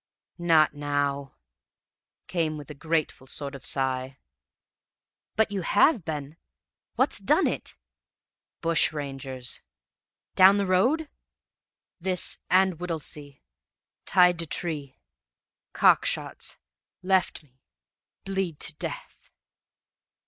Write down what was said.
"'Not now,' came with a grateful sort of sigh. "'But you have been! What's done it?' "'Bushrangers.' "'Down the road?' "'This and Whittlesea tied to tree cock shots left me bleed to death